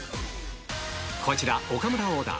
こちら岡村オーダー